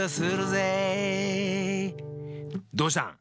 どうしたん？